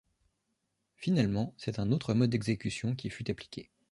Finalement, c'est un autre mode d'exécution qui fut appliqué.